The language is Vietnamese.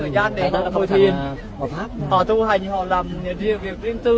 để cho mọi người tự